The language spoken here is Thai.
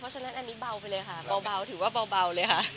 ฉะนั้นอันนี้เบาไปเลยค่ะเบาถือว่าเบาเลยค่ะ